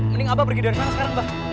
mending abah pergi dari mana sekarang abah